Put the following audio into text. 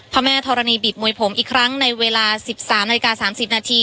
พระแม่ธรณีบิบมวยผมอีกครั้งในเวลาสิบสามหน่อยก่อนสามสิบนาที